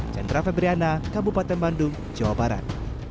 chandra febriana kabupaten bandung jawa barat